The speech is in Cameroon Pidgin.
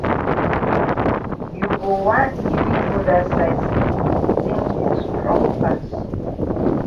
You go wan even go dat side sef tin dem strong pass.